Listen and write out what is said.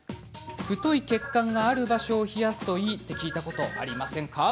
太い血管がある場所を冷やすといいって聞いたことありませんか。